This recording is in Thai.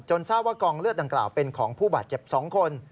ทราบว่ากองเลือดดังกล่าวเป็นของผู้บาดเจ็บ๒คน